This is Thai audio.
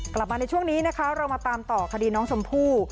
กลับมาในช่วงนี้นะคะเรามาตามต่อคดีน้องชมพู่